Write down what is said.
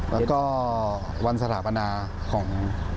แล้วก็วันสถาปนาของ